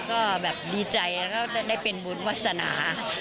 ก็แบบดีใจแล้วก็ได้เป็นบุญวาสนา